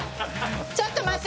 ちょっと待って！